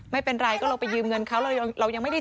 ไม่เป็นไรก็เราไปยืมเงินเขาเรายังไม่ได้